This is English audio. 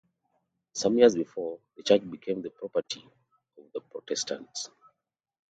Some years before, the church became the property of the Protestants.